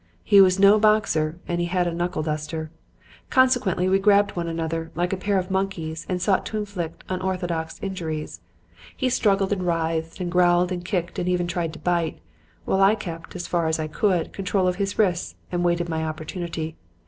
He was no boxer and he had a knuckle duster. Consequently we grabbed one another like a pair of monkeys and sought to inflict unorthodox injuries. He struggled and writhed and growled and kicked and even tried to bite; while I kept, as far as I could, control of his wrists and waited my opportunity.